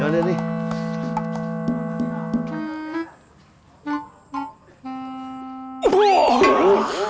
jalan deh nih